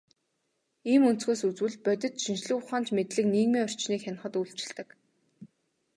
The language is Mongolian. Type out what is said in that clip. Ийм өнцгөөс үзвэл, бодит шинжлэх ухаанч мэдлэг нийгмийн орчныг хянахад үйлчилдэг.